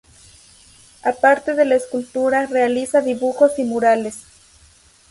Aparte de escultura realiza dibujos y murales.